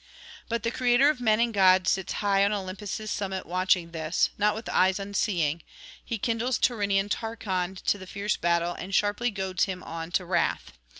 But the creator of men and gods sits high on Olympus' [726 759]summit watching this, not with eyes unseeing: he kindles Tyrrhenian Tarchon to the fierce battle, and sharply goads him on to wrath.